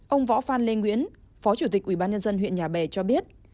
ông võ phan lê nguyễn phó chủ tịch ubnd huyện nhà bè cho biết